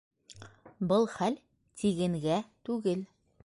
Был хәл тигенгә түгел.